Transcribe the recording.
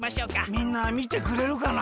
みんなみてくれるかな。